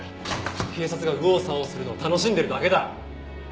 警察が右往左往するのを楽しんでるだけだ。